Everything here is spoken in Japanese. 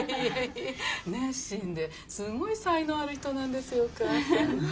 熱心ですごい才能ある人なんですよお母さん。